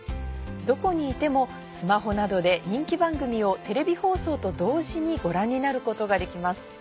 どこにいてもスマホなどで人気番組をテレビ放送と同時にご覧になることができます。